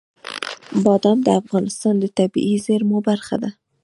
بادام د افغانستان د طبیعي زیرمو برخه ده.